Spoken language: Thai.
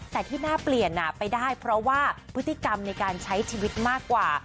แต่ที่น่าเปลี่ยนไปได้เพราะว่าพฤติกรรมในการใช้ชีวิตมากกว่า